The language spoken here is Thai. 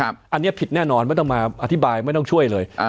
อันนี้ผิดแน่นอนไม่ต้องมาอธิบายไม่ต้องช่วยเลย